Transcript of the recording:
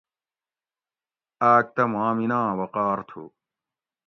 آک تہ ماں میناں وقار تھو